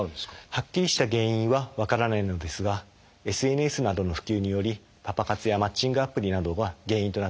はっきりした原因は分からないのですがＳＮＳなどの普及によりパパ活やマッチングアプリなどが原因となっている可能性があります。